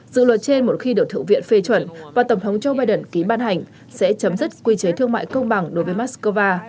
dự luật trên một khi được thượng viện phê chuẩn và tổng thống joe biden ký ban hành sẽ chấm dứt quy chế thương mại công bằng đối với moscow